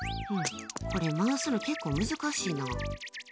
これ回すの結構難しいな。